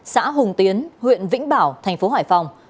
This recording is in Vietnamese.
xã hùng tiến huyện vĩnh bảo thành phố hải phòng